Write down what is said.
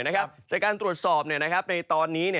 จากการตรวจสอบในตอนนี้